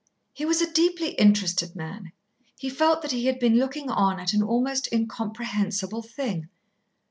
He was a deeply interested man. He felt that he had been looking on at an almost incomprehensible thing.